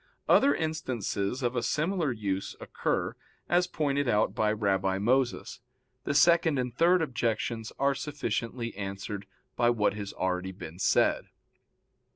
Other instances of a similar use occur, as pointed out by Rabbi Moses. The second and third objections are sufficiently answered by what has been already said.